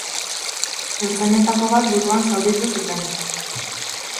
Ertzainetako bat buruan zauritu zuten.